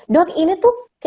dok ini tuh